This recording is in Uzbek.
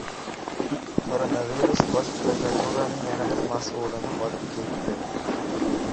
Koronavirus Bosh prokuraturaning yana bir mas’ulini olib ketdi